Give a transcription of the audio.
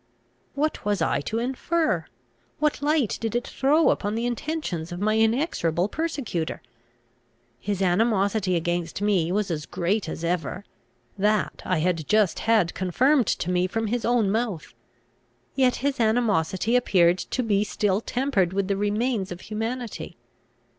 What was I to infer? what light did it throw upon the intentions of my inexorable persecutor? his animosity against me was as great as ever; that I had just had confirmed to me from his own mouth. Yet his animosity appeared to be still tempered with the remains of humanity.